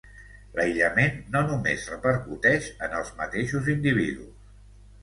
L'aïllament no només repercuteix en els mateixos individus.